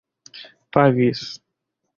pagis